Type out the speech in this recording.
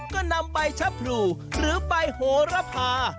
ก็นำใบชะพรูหรือใบโหระพา